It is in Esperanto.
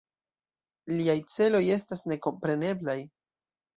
Liaj celoj estas nekompreneblaj.